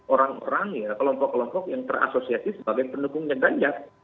orang orang ya kelompok kelompok yang terasosiasi sebagai pendukungnya ganjar